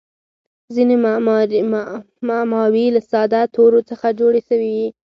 ځیني معماوي له ساده تورو څخه جوړي سوي يي.